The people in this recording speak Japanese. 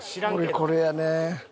俺これやね。